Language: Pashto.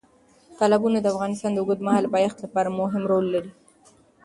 تالابونه د افغانستان د اوږدمهاله پایښت لپاره مهم رول لري.